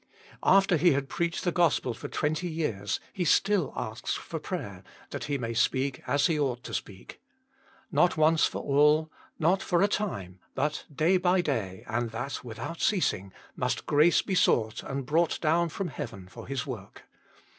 After he had preached the gospel for twenty years, he still asks for prayer that he may speak as he ought to speak. Not once for all, not for a time, but day by day, and that without ceasing, must grace be sought and brought down from heaven for his work.